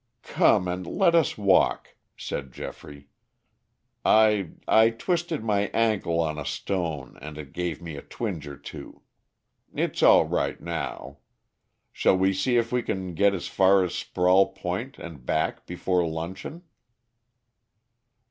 "Come and let us walk," said Geoffrey. "I I twisted my ankle on a stone and it gave me a twinge or two. It's all right now. Shall we see if we can get as far as Sprawl Point and back before luncheon?"